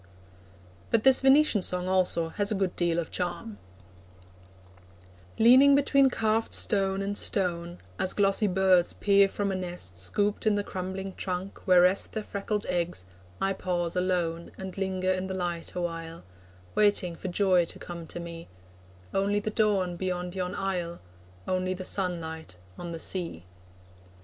But this Venetian Song also has a good deal of charm: Leaning between carved stone and stone, As glossy birds peer from a nest Scooped in the crumbling trunk where rest Their freckled eggs, I pause alone And linger in the light awhile, Waiting for joy to come to me Only the dawn beyond yon isle, Only the sunlight on the sea.